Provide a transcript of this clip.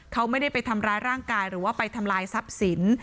เขาไม่ได้ไปทำร้ายร่างกายหรือว่าไปทำลายทรัพย์สิน